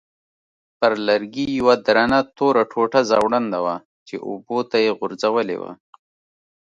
پر لرګي یوه درنه توره ټوټه ځوړنده وه چې اوبو ته یې غورځولې وه.